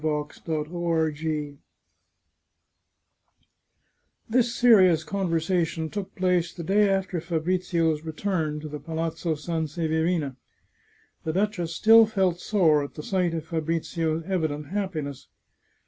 CHAPTER XXVII This serious conversation took place the day after Fa brizio's return to the Palazzo Sanseverina. The duchess still felt sore at the sight of Fabrizio's evident happiness.